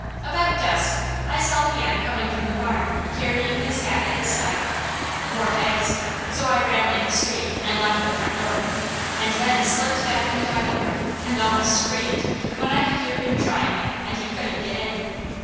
About dusk I saw Leon coming from the barn carrying his hat at his side more eggs so I ran like a streak and locked the front door, and then slipped back in the dining room and almost screamed, when I could hear him trying it, and he couldn't get in.